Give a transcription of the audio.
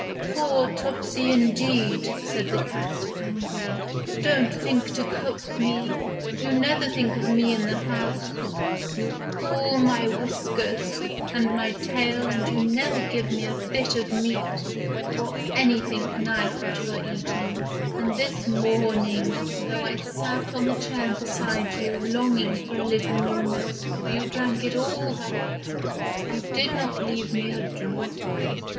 "Poor Topsy, indeed!" said the cat, angrily; "don't think to coax me, you never think of me in the house, you pull my whiskers and my tail, and you never give me a bit of meat, or anything nice that you are eating; and this morning, though I sat on the chair beside you, longing for a little new milk, you drank it all up you did not leave me a drop.